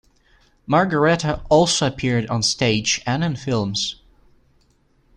Margareta also appeared on stage and in films.